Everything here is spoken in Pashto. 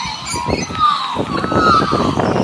د زاهد به په خلوت کي اور په کور وي؛